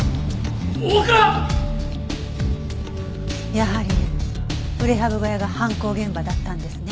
やはりプレハブ小屋が犯行現場だったんですね。